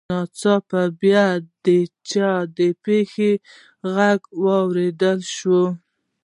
ناڅاپه بیا د چا د پښو غږ واورېدل شو